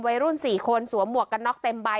วัยรุ่น๔คนสวมหมวกกันน็อกเต็มใบ